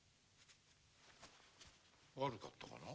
悪かったかな？